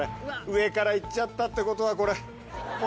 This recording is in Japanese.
上から行っちゃったってことはこれもう下がって。